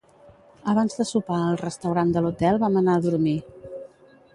Abans de sopar al restaurant de l'hotel vam anar a dormir.